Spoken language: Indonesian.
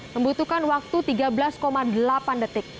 membutuhkan waktu tiga belas delapan detik